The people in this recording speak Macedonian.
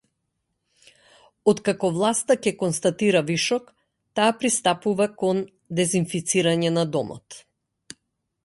Откако власта ќе констатира вишок, таа пристапува кон дезинфицирање на домот.